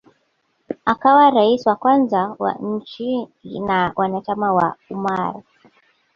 akawa rais wa kwanza wa nchi na wanachama wa Ummar